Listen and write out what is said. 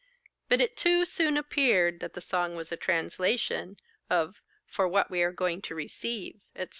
But it too soon appeared that the song was a translation of 'For what we are going to receive,' &c.